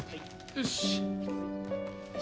よし。